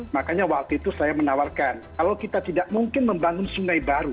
makanya waktu itu saya menawarkan kalau kita tidak mungkin membangun sungai baru